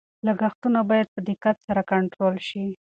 لګښتونه باید په دقت سره کنټرول شي.